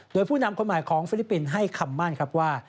โดยผู้นำคนใหม่ของฟิลิปปินส์ให้คำมั่นครับว่า